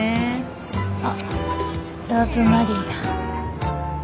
あっローズマリーだ。